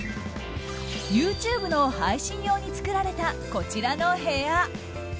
ＹｏｕＴｕｂｅの配信用に作られたこちらの部屋。